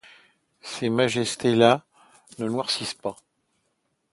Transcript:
Ces majestés-là ne noircissent pas.